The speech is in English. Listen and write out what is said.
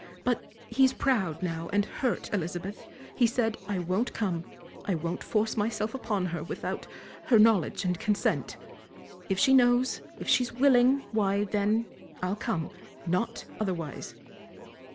But he's proud now and hurt, Elizabeth he said: 'I won't come, I won't force myself upon her without her knowledge and consent. If she knows, if she's willing, why, then, I'll come not otherwise.'"